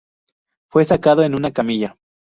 Fue sacado en una camilla.